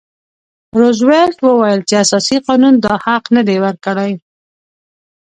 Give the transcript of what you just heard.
روزولټ وویل چې اساسي قانون دا حق نه دی ورکړی.